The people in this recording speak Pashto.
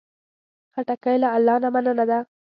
خټکی له الله نه مننه ده.